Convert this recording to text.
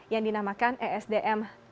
yang dinamakan esdm tiga